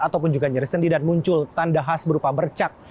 ataupun juga nyeri sendi dan muncul tanda khas berupa bercak